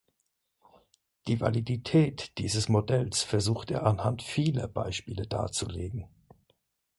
Die Validität dieses Modells versucht er anhand vieler Beispiele darzulegen.